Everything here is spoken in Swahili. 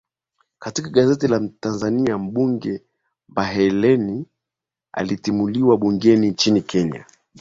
katika gazeti la mtanzania mbunge mbaheleni atimuliwa bungeni nchini kenya